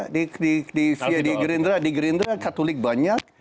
di gerindra di gerindra katolik banyak